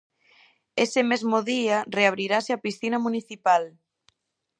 Ese mesmo día, reabrirase a piscina municipal.